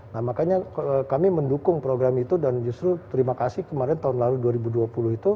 nah makanya kami mendukung program itu dan justru terima kasih kemarin tahun lalu dua ribu dua puluh itu